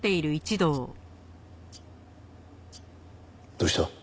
どうした？